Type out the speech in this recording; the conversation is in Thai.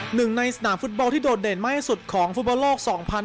หนึ่งในสนามฟุตบอลที่โดดเด่นมากที่สุดของฟุตบอลโลก๒๐๑๖